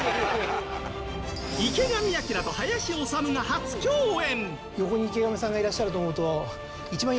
池上彰と林修が初共演！